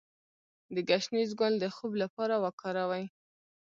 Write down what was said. د ګشنیز ګل د خوب لپاره وکاروئ